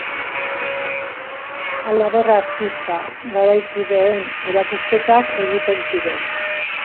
Halaber, artista garaikideen erakusketak egiten ziren.